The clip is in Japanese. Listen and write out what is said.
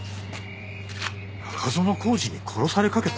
中園宏司に殺されかけた？